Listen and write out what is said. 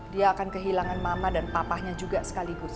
dia akan kehilangan mama dan papahnya juga sekaligus